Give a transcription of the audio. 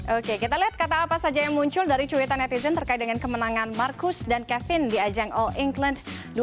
oke kita lihat kata apa saja yang muncul dari cuitan netizen terkait dengan kemenangan marcus dan kevin di ajang all england dua ribu dua puluh